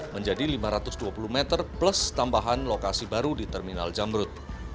menjadi lima ratus dua puluh meter plus tambahan lokasi baru di terminal jamrut